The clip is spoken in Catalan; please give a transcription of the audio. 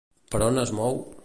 Per on es mou?